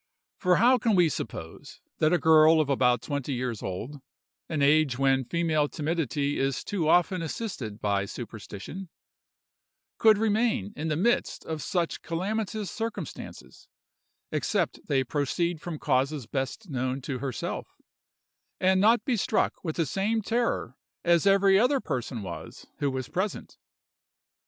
For how can we suppose that a girl of about twenty years old (an age when female timidity is too often assisted by superstition) could remain in the midst of such calamitous circumstances (except they proceed from causes best known to herself), and not be struck with the same terror as every other person was who was present?